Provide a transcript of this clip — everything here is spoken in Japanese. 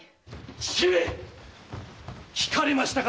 ・父上っ‼聞かれましたか？